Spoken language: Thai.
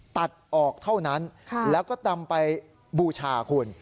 ตัดออกเท่านั้นแล้วก็นำไปบูชาคุณ